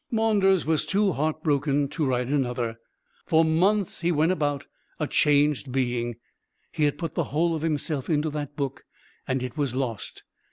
Maunders was too heart broken to write another. For months he went about, a changed being. He had put the whole of himself into that book, and it was lost.